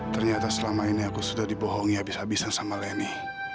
ternyata selama ini aku sudah dibohongi habis habisan sama leni